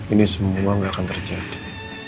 ini semua nggak akan terjadi